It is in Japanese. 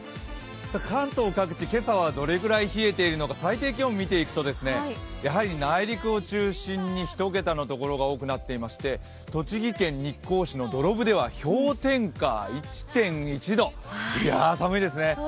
関東各地、今朝はどれぐらい冷えているのか最低気温を見ていくと、やはり内陸を中心に１桁のところが多くなっていまして栃木県日光市の土呂部では氷点下